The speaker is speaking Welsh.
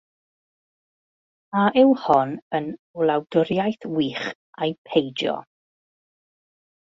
"A yw hon yn Wladwriaeth Wych a'i peidio?